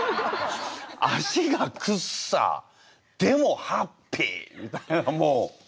「足がくっさーでもハッピー」みたいなもう。